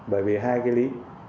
bởi vì hai cái lý